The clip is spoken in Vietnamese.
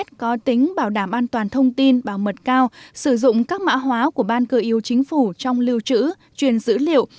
hệ thống e cabinet có tính bảo đảm an toàn thông tin bảo mật cao sử dụng các mã hóa của ban cờ yêu chính phủ trong lưu trữ truyền dữ liệu